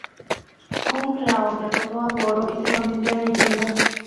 Kung Lao derrotó a Goro y se convirtió en leyenda.